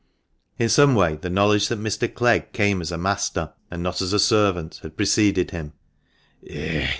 In some way the knowledge that Mr. Clegg came as a master, and not as a servant, had preceded him.